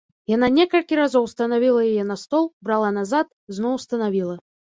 Яна некалькі разоў станавіла яе на стол, брала назад, зноў станавіла.